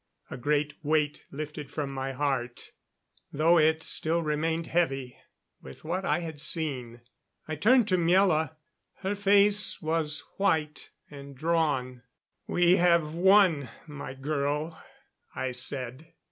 A great weight lifted from my heart, though it still remained heavy with what I had seen. I turned to Miela; her face was white and drawn. "We have won, my girl," I said.